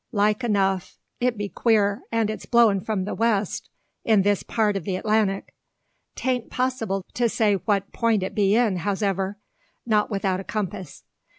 Like enough. It be queer, and it's blowing from the west in this part o' the Atlantic! 'Tan't possible to say what point it be in, hows'ever, not without a compass.